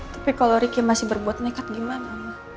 tapi kalau ricky masih berbuat nekat gimana